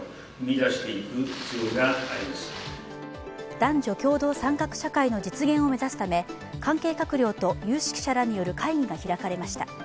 男女共同参画社会の実現を目指すため関係閣僚と有識者らによる会議が開かれました。